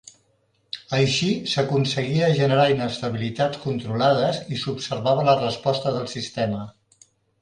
Així s'aconseguia generar inestabilitats controlades i s'observava la resposta del sistema.